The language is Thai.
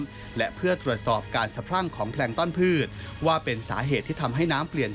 และเพื่อตรวจสอบการสะพรั่งของแพลงต้อนพืชว่าเป็นสาเหตุที่ทำให้น้ำเปลี่ยน